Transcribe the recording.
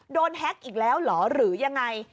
แฮ็กอีกแล้วเหรอหรือยังไง